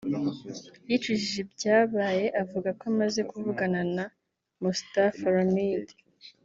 yicujije ibyabaye avuga ko amaze kuvugana na Mustapha Ramid